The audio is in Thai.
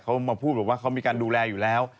เขามาพูดบอกว่าเขามีการดูแลอยู่แล้ว